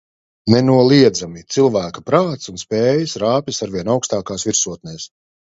Nenoliedzami - cilvēka prāts un spējas rāpjas arvien augstākās virsotnēs.